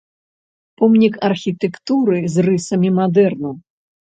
Помнік архітэктуры з рысамі мадэрну.